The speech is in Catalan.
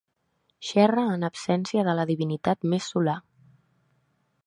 Xerra en absència de la divinitat més solar.